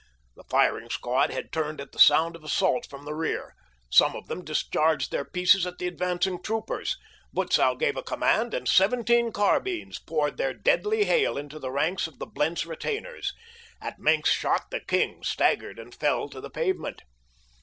The firing squad had turned at the sound of assault from the rear. Some of them discharged their pieces at the advancing troopers. Butzow gave a command and seventeen carbines poured their deadly hail into the ranks of the Blentz retainers. At Maenck's shot the "king" staggered and fell to the pavement.